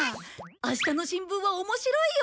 あしたの新聞は面白いよ！